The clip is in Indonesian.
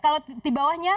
kalau di bawahnya